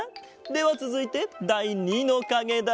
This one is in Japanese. ではつづいてだい２のかげだ。